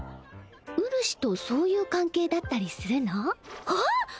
うるしとそういう関係だったりするの？はあ！？